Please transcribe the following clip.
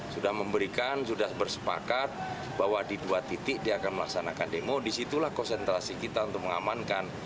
sudah memberikan sudah bersepakat bahwa di dua titik dia akan melaksanakan demo disitulah konsentrasi kita untuk mengamankan